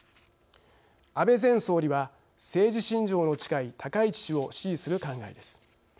安倍前総理は政治信条の近い高市氏を支持する考えです。